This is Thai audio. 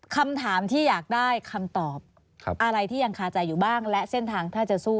คำถามที่อยากได้คำตอบอะไรที่ยังคาใจอยู่บ้างและเส้นทางถ้าจะสู้